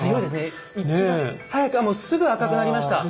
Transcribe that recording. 一番早くすぐ赤くなりました。